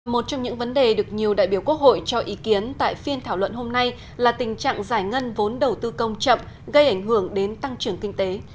một trong những vấn đề được nhiều đại biểu quốc hội cho ý kiến tại phiên thảo luận hôm nay là tình trạng giải ngân vốn đầu tư công chậm gây ảnh hưởng đến tăng trưởng kinh tế